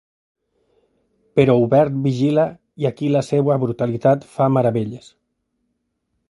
Però Hubert vigila i aquí la seva brutalitat fa meravelles.